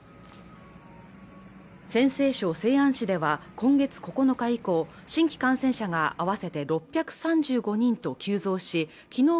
陝西省西安市では今月９日以降新規感染者が合わせて６３５人と急増しきのう